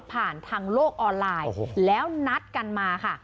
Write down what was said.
ผ่านทางโลกออนไลน์แล้วนัดกันมาค่ะ